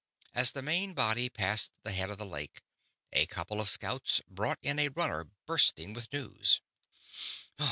As the main body passed the head of the lake, a couple of scouts brought in a runner bursting with news.